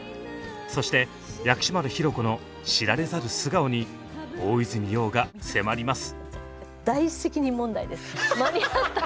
そして薬師丸ひろ子の知られざる素顔に大泉洋が迫ります！